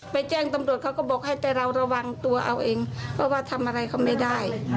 แจ้งตำรวจเขาก็บอกให้แต่เราระวังตัวเอาเองเพราะว่าทำอะไรเขาไม่ได้